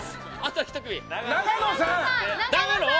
永野さん！